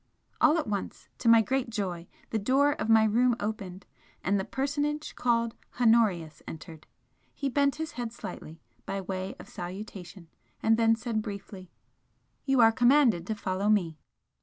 All at once, to my great joy, the door of my room opened, and the personage called Honorius entered. He bent his head slightly by way of salutation, and then said briefly, "You are commanded to follow me."